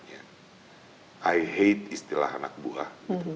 saya benci istilah anak buah